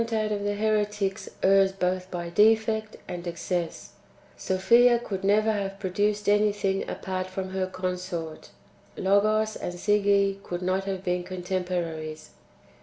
— The Triacontacl of the heretics errs both hy defect and excess : Sophia could never have j^rochiced anything apart from her consort; Logos and Sige could not have been contemporaries.